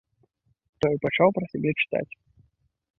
Той пачаў пра сябе чытаць.